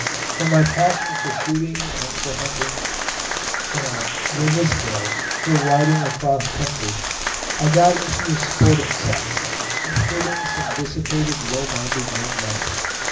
From my passion for shooting and for hunting, and, when this failed, for riding across country, I got into a sporting set, including some dissipated low minded young men.